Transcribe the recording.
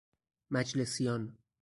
مجلسیان